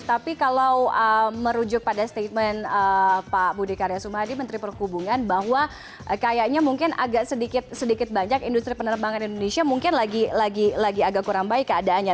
tapi kalau merujuk pada statement pak budi karya sumadi menteri perhubungan bahwa kayaknya mungkin agak sedikit banyak industri penerbangan indonesia mungkin lagi agak kurang baik keadaannya